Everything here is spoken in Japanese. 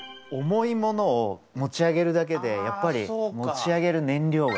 重いものを持ち上げるだけでやっぱり持ち上げる燃料がかかるんです。